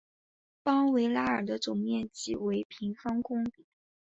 邦维拉尔的总面积为平方公里。